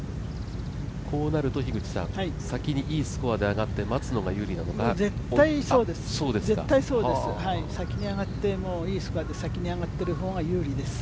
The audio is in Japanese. こうなると先にいいスコアで上がって待つ方が有利に絶対そうです、先に上がっていいスコアで先に上がっている方が優利です。